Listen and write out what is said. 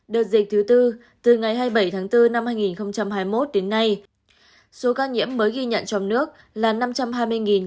đợt dịch thứ bốn từ ngày hai mươi bảy tháng bốn năm hai nghìn hai mươi một đến nay số ca nhiễm mới ghi nhận trong nước là năm trăm hai mươi một mươi ba ca